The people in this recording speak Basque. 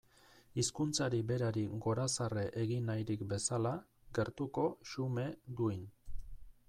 Hizkuntzari berari gorazarre egin nahirik bezala, gertuko, xume, duin.